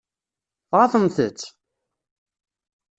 Tɣaḍemt-t?